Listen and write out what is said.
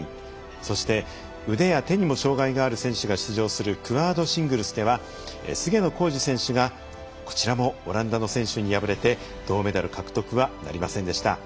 そして腕や手にも障がいのある選手が出場するクアードシングルスでは菅野浩二選手がこちらもオランダの選手に敗れて銅メダル獲得はなりませんでした。